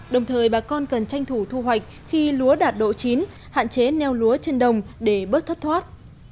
đồng thời bà con cần tranh thủ thu hoạch khi lúa đạt độ chín hạn chế neo lúa trên đồng để bớt thất thoát